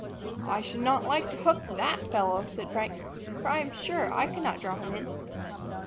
"I should not like to hook that fellow," said Frank, "for I am sure I could not draw him in."